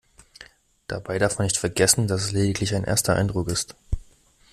Dabei darf man nicht vergessen, dass es lediglich ein erster Eindruck ist.